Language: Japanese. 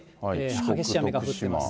激しい雨が降っています。